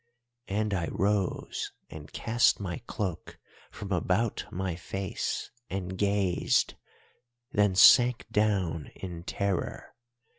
"And I rose and cast my cloak from about my face and gazed, then sank down in terror.